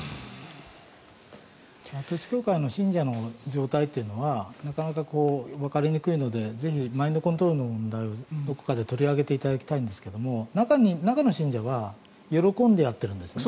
統一教会の信者の状態というのはなかなかわかりにくいのでぜひマインドコントロールの問題をどこかで取り上げていただきたいんですが中の信者は喜んでやってるんですね。